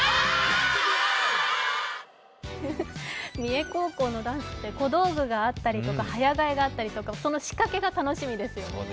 三重高校のダンスって小道具があったりとか、早替えがあったりとかその仕掛けが楽しみですよね。